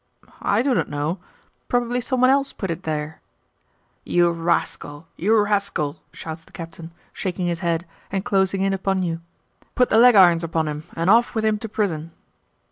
'I do not know. Probably some one else put it there.' 'You rascal, you rascal!' shouts the Captain, shaking his head, and closing in upon you. 'Put the leg irons upon him, and off with him to prison!